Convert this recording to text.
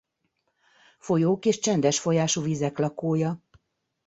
Folyók és csendes folyású vizek lakója.